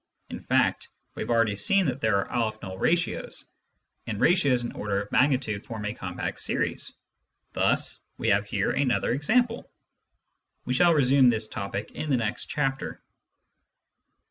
In fact, we have already seen that there are n ratios, and ratios in order of magnitude form a compact series ; thus we have here another example. We shall resume this topic in the next chapter.